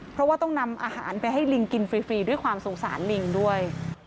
เพราะว่าต้องนำอาหารไปให้ลิงกินฟรีด้วยความสงสารลิงด้วย